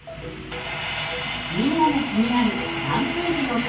みんなの気になる断水時のトイレ。